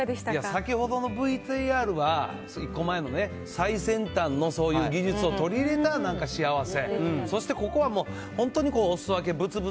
先ほどのＶＴＲは、１個前のね、最先端のそういう技術を取り入れた、なんか幸せ、そしてここはもう、本当におすそ分け、物々